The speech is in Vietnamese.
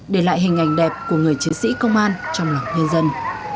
để lại hình ảnh đẹp của người chiến sĩ công an trong lòng nhân dân